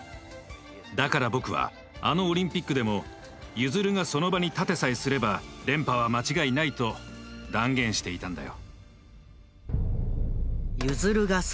だから僕はあのオリンピックでもユヅルがその場に立てさえすれば連覇は間違いないと断言していたんだよ。